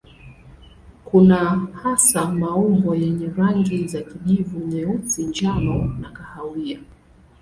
Kuna hasa maumbo yenye rangi za kijivu, nyeusi, njano na kahawia.